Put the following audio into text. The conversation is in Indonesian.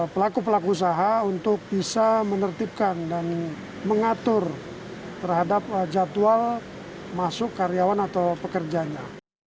pelaku pelaku usaha untuk bisa menertibkan dan mengatur terhadap jadwal masuk karyawan atau pekerjanya